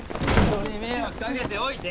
人に迷惑かけておいて？